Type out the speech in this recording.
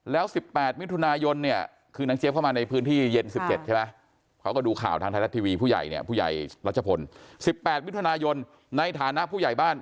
แล้ว๑๘มิถุนายนเนี่ยคือนางเจฟเขามาในพื้นที่เย็น๑๗ใช่ปะ